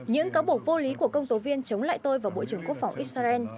những cáo buộc vô lý của công tố viên chống lại tôi vào bộ trưởng quốc phòng israel